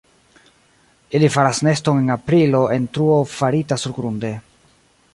Ili faras neston en aprilo en truo farita surgrunde.